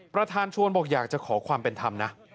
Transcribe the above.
ประธานชวนบอกอยากจะขอความเป็นธรรมนะ